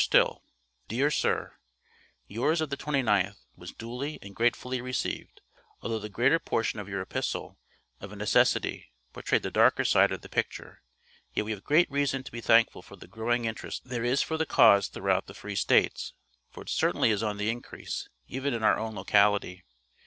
STILL: Dear Sir: Yours of the 29th, was duly and gratefully received, although the greater portion of your epistle, of a necessity, portrayed the darker side of the picture, yet we have great reason to be thankful for the growing interest there is for the cause throughout the free States, for it certainly is on the increase, even in our own locality.